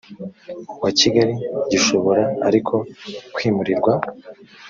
wa kigali gishobora ariko kwimurirwa